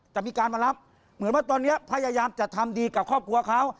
จะมีการมารับเหมือนว่าตอนนี้พยายามจะทำดีกับครอบครัวเขา